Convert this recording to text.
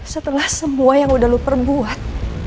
setelah semua yang udah lu perbuat